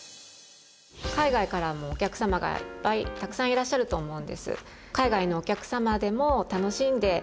海外からもお客様がいっぱいたくさんいらっしゃると思うんです。